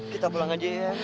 kita pulang aja ya